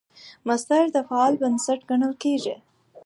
مصدر د فعل بنسټ ګڼل کېږي.